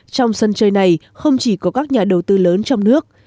trong sân chơi này không chỉ có các nhà đầu tư lớn trong nước